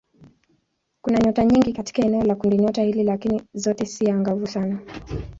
Kuna nyota nyingi katika eneo la kundinyota hili lakini zote si angavu sana.